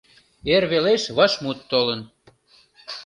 Эр велеш вашмут толын.